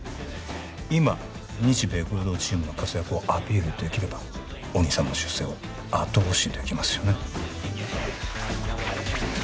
今日米合同チームの活躍をアピールできればお兄様の出世を後押しできますよね